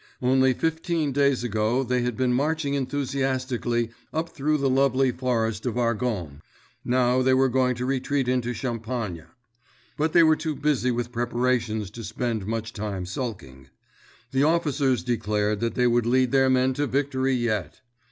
Only fifteen days ago they had been marching enthusiastically up through the lovely forest of Argonne. Now they were going to retreat into Champagne. But they were too busy with preparations to spend much time sulking. The officers declared that they would lead their men to victory yet.